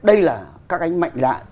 đây là các anh mạnh lạ